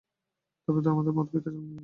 তবে তো আমাদের মত ভিক্ষা মিলবে।